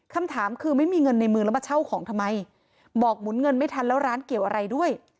คำถามคือไม่มีเงินในมือแล้วมาเช่าของทำไมบอกหมุนเงินไม่ทันแล้วร้านเกี่ยวอะไรด้วย